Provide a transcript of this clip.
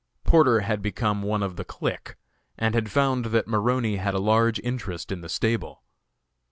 Porter had become one of the clique, and found that Maroney had a large interest in the stable.